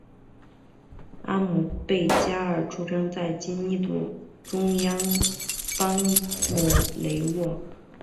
阿姆倍伽尔出生在今印度中央邦姆霍沃。